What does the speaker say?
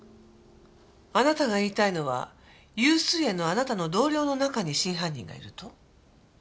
あなたが言いたいのは悠水苑のあなたの同僚の中に真犯人がいると？